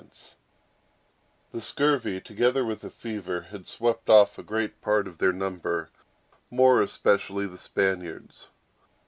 The scurvy, together with the fever, had swept off a great part of their number, more especially the Spaniards.